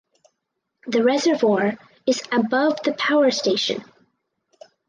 The reservoir is above the power station.